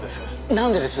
なんでです？